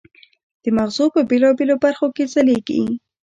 د مغزو په بېلابېلو برخو کې یې ځلېږي.